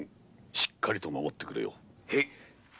しっかりと守ってくれよ。